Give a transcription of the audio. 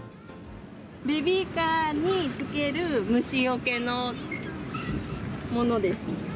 ベビーカーにつける虫よけのものです。